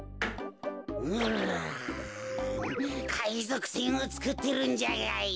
うかいぞくせんをつくってるんじゃがよ。